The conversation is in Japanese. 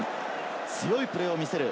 強いプレーを見せる。